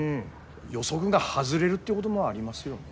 予測が外れるってごどもありますよね？